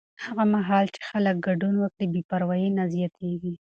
هغه مهال چې خلک ګډون وکړي، بې پروایي نه زیاتېږي.